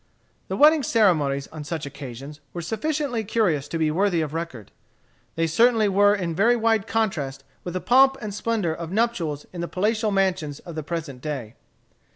The wedding ceremonies on such occasions were sufficiently curious to be worthy of record. They certainly were in very wide contrast with the pomp and splendor of nuptials in the palatial mansions of the present day.